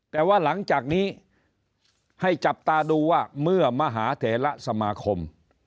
แต่ว่าหลังจากนี้ให้จับตาดูว่าเมื่อมหาเถระสมาคม